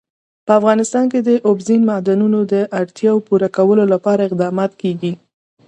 په افغانستان کې د اوبزین معدنونه د اړتیاوو پوره کولو لپاره اقدامات کېږي.